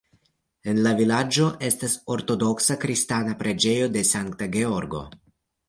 En la vilaĝo estas ortodoksa kristana preĝejo de Sankta Georgo.